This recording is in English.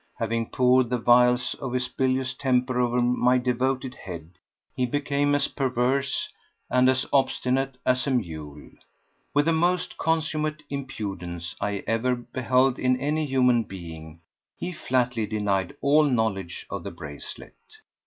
Having poured the vials of his bilious temper over my devoted head, he became as perverse and as obstinate as a mule. With the most consummate impudence I ever beheld in any human being, he flatly denied all knowledge of the bracelet.